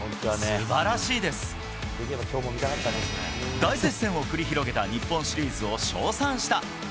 大接戦を繰り広げた日本シリーズを称賛した。